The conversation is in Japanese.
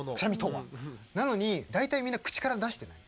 なのに大体みんな口から出してない？